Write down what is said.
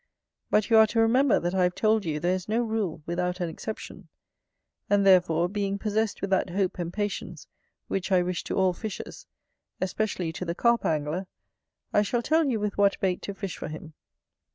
But you are to remember that I have told you there is no rule without an exception; and therefore being possess with that hope and patience which I wish to all fishers, especially to the Carp angler, I shall tell you with what bait to fish for him.